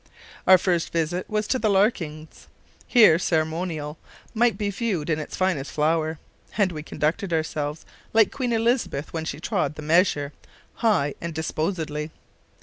Our first visit was to the Larkins. Here ceremonial might be viewed in its finest flower, and we conducted ourselves, like Queen Elizabeth when she trod the measure, "high and disposedly."